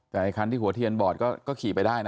แต่คันที่หัวเทียนบอดก็ขี่ไปได้นะ